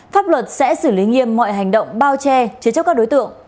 pháp luật sẽ xử lý nghiêm mọi hành động bao che chế chấp các đối tượng